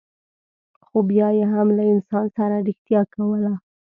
خو بیا یې هم له انسان سره رښتیا کوله.